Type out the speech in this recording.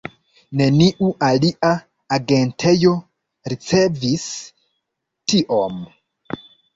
Neniu alia agentejo ricevis tiom.